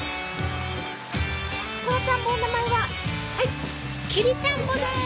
この田んぼの名前はきり田んぼです！